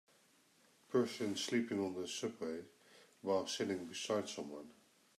Person sleeping on the subway, while sitting beside someone.